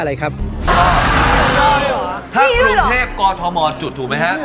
มุกสายบาท๕บาท